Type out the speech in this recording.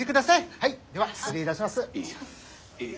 はいでは失礼いたします。